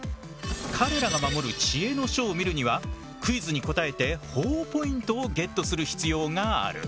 彼らが守る知恵の書を見るにはクイズに答えてほぉポイントをゲットする必要がある。